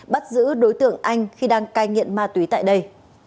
bắt giữ đối tượng anh khi đang cai nghiện ma túy tại đây